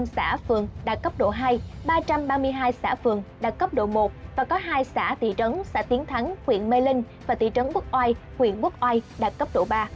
xã phường đã cấp độ hai ba trăm ba mươi hai xã phường đã cấp độ một và có hai xã thị trấn xã tiến thắng huyện mê linh và thị trấn quốc oai huyện quốc oai đã cấp độ ba